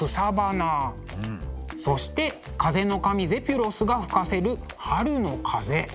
そして風の神ゼピュロスが吹かせる春の風。